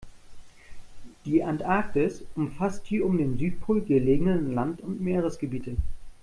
Die Antarktis umfasst die um den Südpol gelegenen Land- und Meeresgebiete.